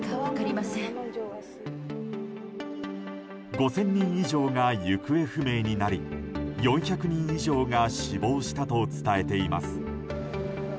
５０００人以上が行方不明になり４００人以上が死亡したと伝えています。